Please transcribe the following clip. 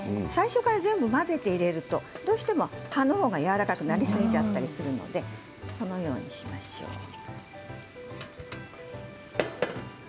最初から全部混ぜて入れるとどうしても葉のほうがやわらかくなりすぎちゃったりするのでこのようにしましょう。